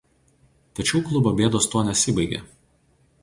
Tačiau klubo bėdos tuo nesibaigė.